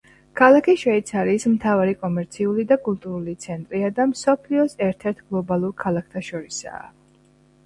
ქალაქი შვეიცარიის მთავარი კომერციული და კულტურული ცენტრია და მსოფლიოს ერთ-ერთ გლობალურ ქალაქთა შორისაა.